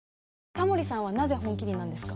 タモリさんはなぜ「本麒麟」なんですか？